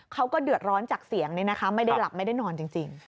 เขาก็เดือดร้อนจากเสียงนี่นะคะไม่ได้หลับไม่ได้นอนจริง